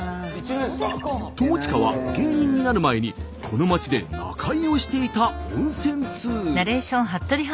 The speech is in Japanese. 友近は芸人になる前にこの町で仲居をしていた温泉ツウ。